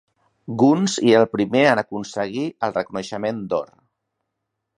Guns, i el primer en aconseguir el reconeixement d'or.